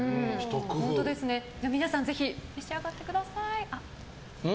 皆さんぜひ召し上がってください。